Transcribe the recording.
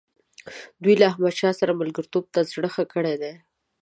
دوی له احمدشاه سره ملګرتوب ته زړه ښه کړی دی.